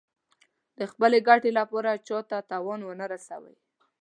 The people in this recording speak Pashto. د خپلې ګټې لپاره چا ته تاوان ونه رسوي.